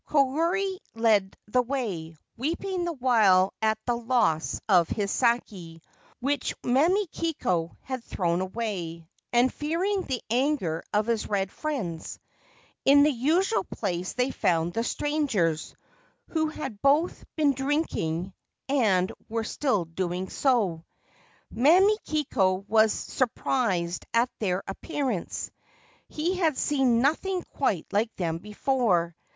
Koyuri led the way, weeping the while at the loss of his sake, which Mamikiko had thrown away, and fearing the anger of his red friends. In the usual place they found the strangers, who had both been drinking and 241 31 Ancient Tales and Folklore of Japan were still doing so. Mamikiko was surprised at their appearance : he had seen nothing quite like them before.